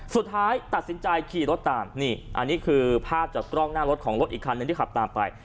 สุดท้ายตัดสินใจขี่รถตามนี่อันนี้คือภาพจากกล้องหน้ารถของรถอีกคันหนึ่งที่ขับตามไป